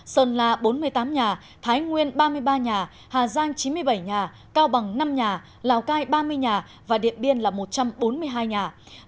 sơn la bốn mươi tám nhà thái nguyên ba mươi ba nhà hà giang chín mươi bảy nhà cao bằng năm nhà lào cai ba mươi nhà và điện biên là một trăm bốn mươi hai nhà